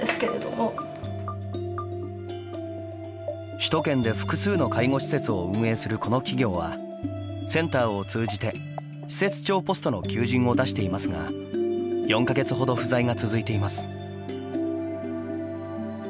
首都圏で複数の介護施設を運営するこの企業はセンターを通じて施設長ポストの求人を出していますが４か月ほど不在が続いています。